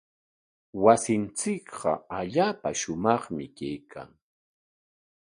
Wasinchikqa allaapa shumaqmi kaykan.